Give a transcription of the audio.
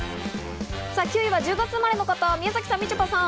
９位は１０月生まれの方、宮崎さん、みちょぱさん。